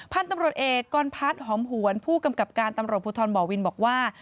พันธุ์ตำรวจเอกกรพัฒน์หอมหวนผู้กำกับการตำรวจภูทรบ่อวินบอกว่า